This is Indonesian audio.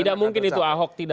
tidak mungkin itu ahok tidak